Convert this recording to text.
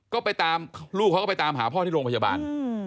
ก็ไปตามลูกเขาก็ไปตามหาพ่อที่โรงพยาบาล